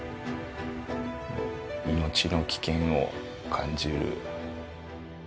命の危険を感じる。